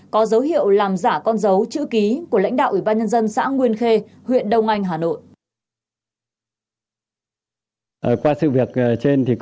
có dấu hiệu làm giả con dấu chữ ký của lãnh đạo ủy ban nhân dân xã nguyên khê huyện đông anh hà nội